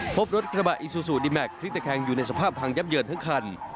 พบรถกระบะอิซูซูดีแมคพลิกตะแคงอยู่ในสภาพพังยับเยินทั้งคัน